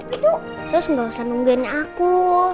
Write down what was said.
itu saya nggak usah nungguin aku